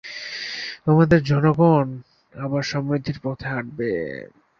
আমাদের জনগণ আবার সমৃদ্ধির পথে হাঁটবে!